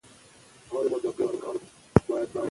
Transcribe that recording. که ښځې پیاوړې وي نو ټولنه به کمزورې نه وي.